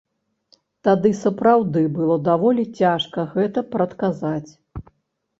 Тады сапраўды было даволі цяжка гэта прадказаць.